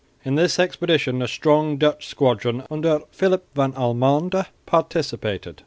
In this expedition a strong Dutch squadron under Philip van Almonde participated.